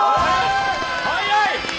早い！